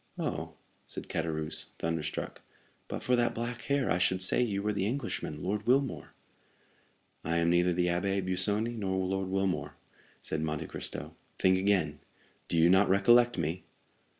"Oh?" said Caderousse, thunderstruck, "but for that black hair, I should say you were the Englishman, Lord Wilmore." "I am neither the Abbé Busoni nor Lord Wilmore," said Monte Cristo; "think again,—do you not recollect me?"